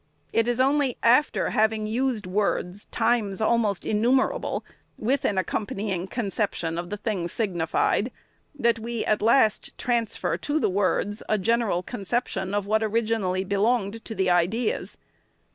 It is only after having used words, times almost innumerable, with an accom panying conception of the things signified, that we, at last, transfer to the words a general conception of what originally belonged to the ideas.